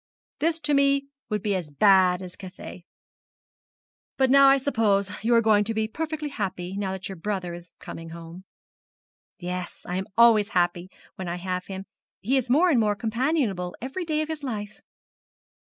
This to me would be as bad as Cathay. But now I suppose you are going to be perfectly happy, now that your brother is coming home.' 'Yes. I am always happy, when I have him he is more and more companionable every day of his life.'